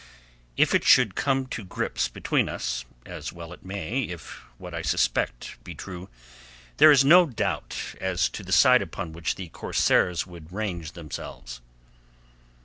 "If it should come to grips between us—as well it may if what I suspect be true—there is no doubt as to the side upon which the corsairs would range themselves."